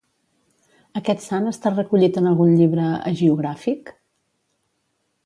Aquest sant està recollit en algun llibre hagiogràfic?